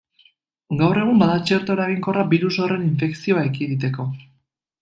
Gaur egun bada txerto eraginkorra birus horren infekzioa ekiditeko.